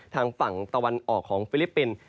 ทางฝั่งตะวันออกของฟิลิปปินส์